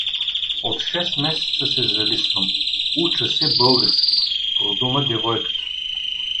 От шест месеца се залисвам… уча се български — продума девойката.